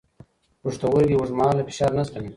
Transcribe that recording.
پښتورګي اوږدمهاله فشار نه زغمي.